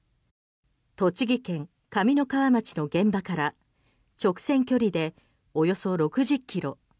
栃木県上三川町の現場から直線距離でおよそ６０ｋｍ。